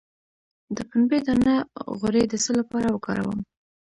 د پنبې دانه غوړي د څه لپاره وکاروم؟